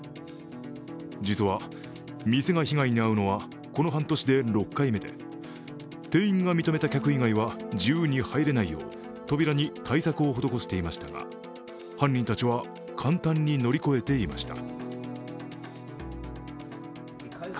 実は、店が被害に遭うのはこの半年で６回目で店員が認めた客以外は自由に入れないよう扉に対策を施していましたが犯人たちは簡単に乗り越えていました。